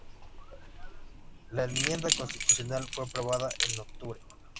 La enmienda constitucional fue aprobada en octubre.